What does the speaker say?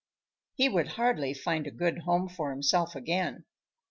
He would hardly find a good home for himself again.